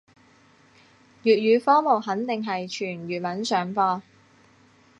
粵語科目肯定係全粵文上課